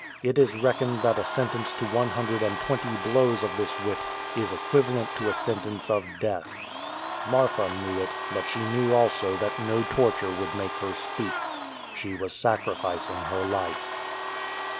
It is reckoned that a sentence to one hundred and twenty blows of this whip is equivalent to a sentence of death. Marfa knew it, but she knew also that no torture would make her speak. She was sacrificing her life.